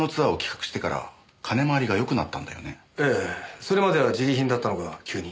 それまではジリ貧だったのが急に。